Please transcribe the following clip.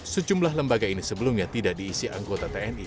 sejumlah lembaga ini sebelumnya tidak diisi anggota tni